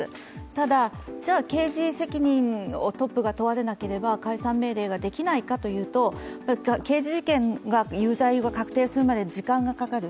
ただ、刑事責任をトップが問われなければ解散命令ができないかというと刑事事件が有罪が確定するまで、時間がかかる。